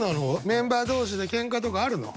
メンバー同士でケンカとかあるの？